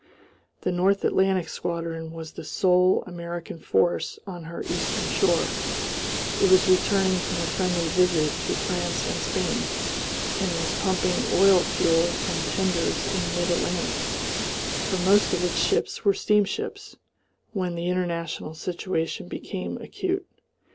The North Atlantic squadron was the sole American force on her eastern shore, it was returning from a friendly visit to France and Spain, and was pumping oil fuel from tenders in mid Atlantic for most of its ships were steamships when the international situation became acute.